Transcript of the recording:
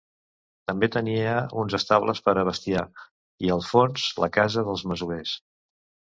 També tenia uns estables per al bestiar i, al fons la casa dels masovers.